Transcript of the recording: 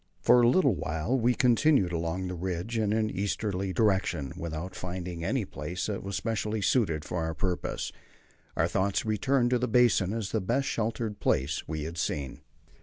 For a little while we continued along the ridge in an easterly direction without finding any place that was specially suited for our purpose. Our thoughts returned to the basin as the best sheltered place we had seen.